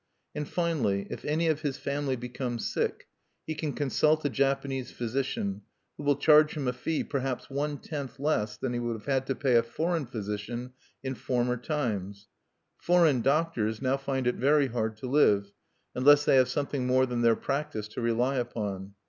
And finally, if any of his family become sick, he can consult a Japanese physician who will charge him a fee perhaps one tenth less than he would have had to pay a foreign physician in former times. Foreign doctors now find it very hard to live, unless they have something more than their practice to rely upon.